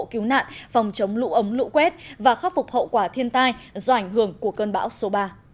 cứu nạn phòng chống lũ ống lũ quét và khắc phục hậu quả thiên tai do ảnh hưởng của cơn bão số ba